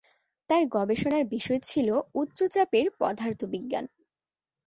তার গবেষণার বিষয় ছিল উচ্চ চাপের পদার্থবিজ্ঞান।